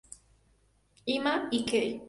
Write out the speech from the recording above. Ima, Ike!